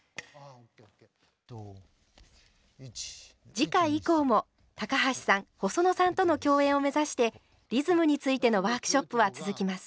次回以降も高橋さん細野さんとの共演を目指してリズムについてのワークショップは続きます。